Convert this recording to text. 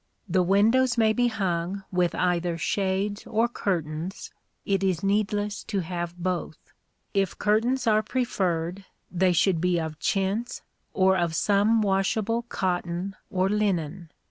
The windows may be hung with either shades or curtains: it is needless to have both. If curtains are preferred, they should be of chintz, or of some washable cotton or linen.